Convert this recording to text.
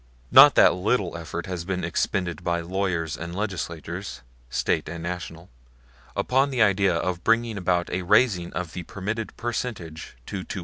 Not a little effort has been expended by lawyers and legislators State and national upon the idea of bringing about a raising of the permitted percentage to 2.75.